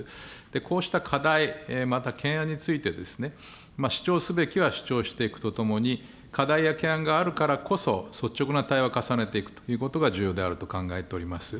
こうした課題、また懸案についてですね、主張すべきは主張していくとともに、課題や懸案があるからこそ、率直な対話を重ねていくということが重要であると考えております。